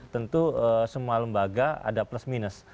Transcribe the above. tentu semua lembaga ada plus minus